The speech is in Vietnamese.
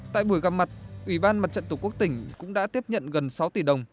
tại buổi gặp mặt ủy ban mặt trận tổ quốc tỉnh cũng đã tiếp nhận gần sáu tỷ đồng